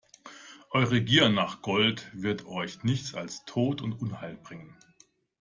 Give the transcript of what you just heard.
Eure Gier nach Gold wird euch nichts als Tod und Unheil bringen!